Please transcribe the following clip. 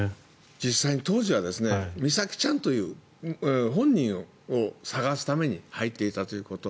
実際に当時は美咲ちゃんという本人を捜すために入っていたということ。